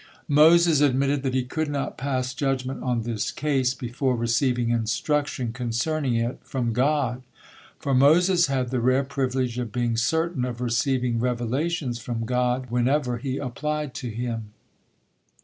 Moses admitted that he could not pass judgement on this case before receiving instruction concerning it from God. For Moses had the rare privilege of being certain of receiving revelations from God whenever he applied to Him.